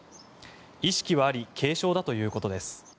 意識はあり軽傷だということです。